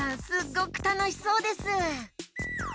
すっごくたのしそうです。